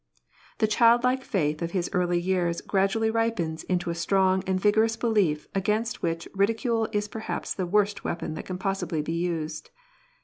The childlike faith of his early years gradually ripens into a strong and vigorous belief against which ridicule is perhaps the worst weapon that can possibly be used.